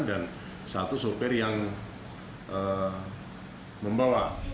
dan satu supir yang membawa